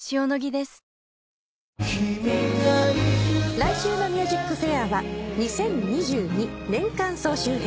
来週の『ＭＵＳＩＣＦＡＩＲ』は「２０２２年間総集編」